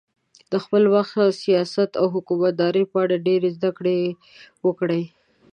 د خپل وخت د سیاست او حکومتدارۍ په اړه ډېرې زده کړې وکړې.